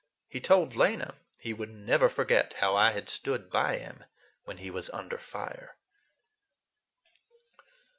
He told Lena he would never forget how I had stood by him when he was "under fire."